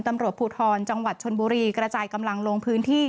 ตำรวจภูทรจังหวัดชนบุรีกระจายกำลังลงพื้นที่